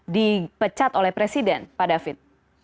dipecat oleh presiden pak david